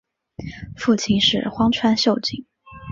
父亲是荒川秀景。